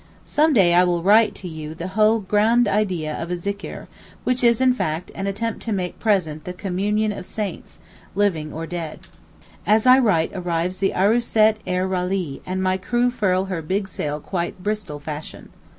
Some day I will write to you the whole 'grund Idee' of a zikr, which is, in fact, an attempt to make present 'the communion of saints,' dead or living. As I write arrives the Arooset er rallee, and my crew furl her big sail quite 'Bristol fashion.